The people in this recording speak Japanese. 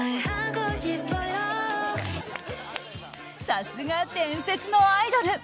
さすが伝説のアイドル！